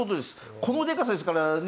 このでかさですからね